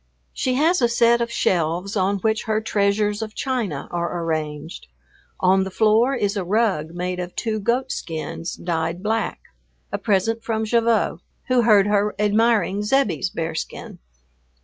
She has a set of shelves on which her treasures of china are arranged. On the floor is a rug made of two goatskins dyed black, a present from Gavotte, who heard her admiring Zebbie's bearskin.